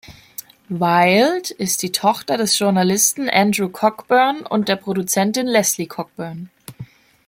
Wilde ist die Tochter des Journalisten Andrew Cockburn und der Produzentin Leslie Cockburn.